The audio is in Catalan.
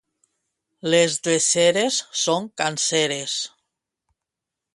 Les dreceres són canseres.